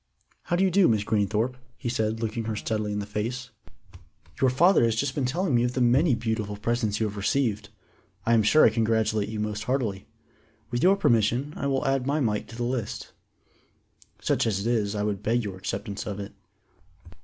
"How do you do, Miss Greenthorpe," he said, looking her steadily in the face. "You father has just been telling me of the many beautiful presents you have received. I am sure I congratulate you most heartily. With your permission I will add my mite to the list. Such as it is, I would beg your acceptance of it."